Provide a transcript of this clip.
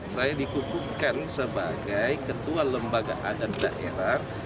saya dikukuhkan sebagai ketua lembaga adat daerah